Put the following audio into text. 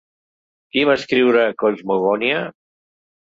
Qui va escriure Cosmogonia?